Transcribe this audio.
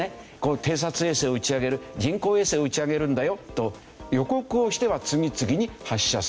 偵察衛星を打ち上げる人工衛星を打ち上げるんだよと予告をしては次々に発射する。